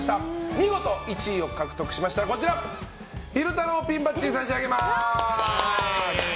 見事１位を獲得しましたらこちら昼太郎ピンバッジを差し上げます。